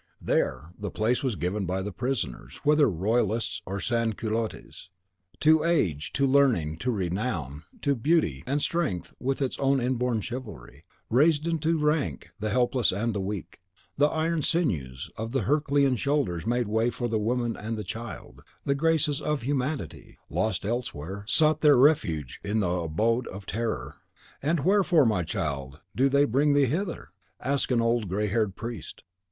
There, place was given by the prisoners, whether royalists or sans culottes, to Age, to Learning, to Renown, to Beauty; and Strength, with its own inborn chivalry, raised into rank the helpless and the weak. The iron sinews and the Herculean shoulders made way for the woman and the child; and the graces of Humanity, lost elsewhere, sought their refuge in the abode of Terror. "And wherefore, my child, do they bring thee hither?" asked an old, grey haired priest.